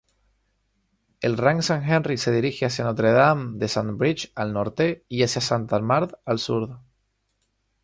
El rang Saint-Henri se dirige hacia Notre-Dame-de-Stanbridge al norte y hacia Saint-Armand al sur.